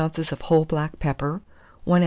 of whole black pepper, 1 oz.